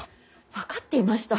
分かっていました